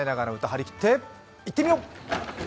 張り切っていってみよう！